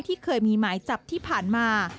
ที่เคยมีหมายจับที่ผ่านมา